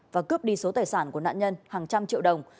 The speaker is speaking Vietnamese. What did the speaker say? và cướp đi số tài sản của nạn nhân hàng trăm triệu đồng